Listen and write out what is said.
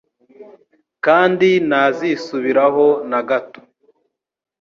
kandi ntazisubiraho na gato